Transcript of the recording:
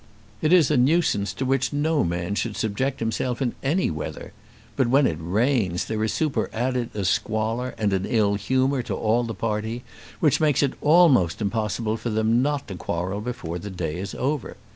It is a nuisance to which no man should subject himself in any weather. But when it rains there is superadded a squalor and an ill humour to all the party which makes it almost impossible for them not to quarrel before the day is over.